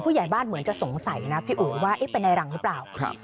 ผู้ใหญ่บ้านเหมือนจะสงสัยนะพี่อุ๋ยว่าเอ๊ะเป็นในรังหรือเปล่า